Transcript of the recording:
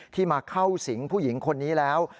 มาเข้าสิงผู้หญิงคนนี้แล้ว